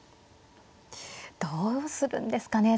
どうするんですかね。